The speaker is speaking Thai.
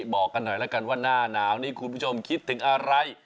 บอกกันหน่อยแล้วกันว่าหน้าหนาวนี้คุณผู้ชมคิดถึงอะไร